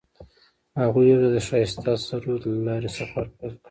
هغوی یوځای د ښایسته سرود له لارې سفر پیل کړ.